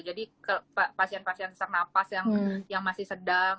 jadi pasien pasien sak nafas yang masih sedang